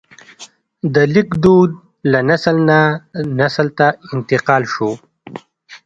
د لیک دود له نسل نه نسل ته انتقال شو.